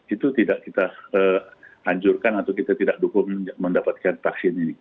itu tidak kita hancurkan atau kita tidak dukung mendapatkan vaksin ini